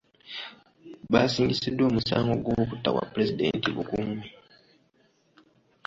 Baasingisibwa omusango bw'obutawa pulezidenti bukuumi.